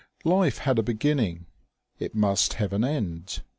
Life had a be _____^_ ginning: it must have an end.